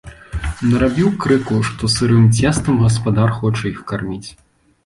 Нарабіў крыку, што сырым цестам гаспадар хоча іх карміць.